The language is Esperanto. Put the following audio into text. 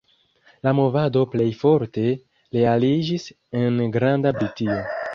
La movado plej forte realiĝis en Granda Britio.